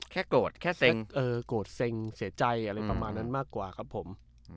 โกรธแค่เซ็กโกรธเซ็งเสียใจอะไรประมาณนั้นมากกว่าครับผม